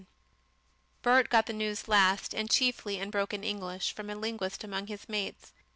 7 Bert got the news last, and chiefly in broken English, from a linguist among his mates.